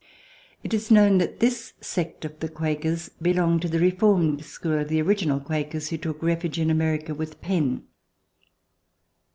It is known that this sect of Quakers belonged to the reformed school of the orig inal Quakers who took refuge in America with Penn.